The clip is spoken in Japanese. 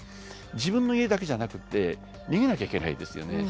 自分の家だけじゃなくて逃げなきゃいけないですよね。